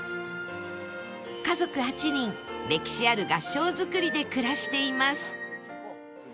家族８人歴史ある合掌造りで暮らしています